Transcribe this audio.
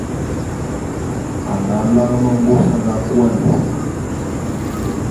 A nga lane mengôs a nga kôan.